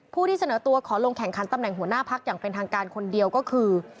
ผู้ที่เสนอตัวขอลงแข่งขันตำแหน่งหัวหน้าพักอย่างเป็นทางการคนเดียวก็คือ